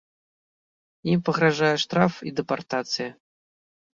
Ім пагражае штраф і дэпартацыя.